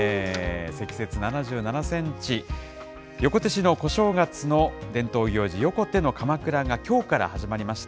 積雪７７センチ、横手市の小正月の伝統行事、横手のかまくらがきょうから始まりました。